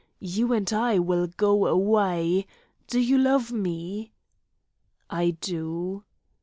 You and I will go away. Do you love me?" "I do."